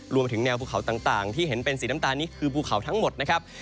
รวมไปถึงแนวภูเขาต่างที่เห็นเป็นสีน้ำตาลนี้คือภูเขาทั้งหมดนะครับ